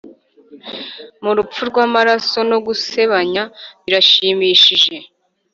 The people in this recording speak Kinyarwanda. mu rupfu rwamaraso no gusebanya birashimishije,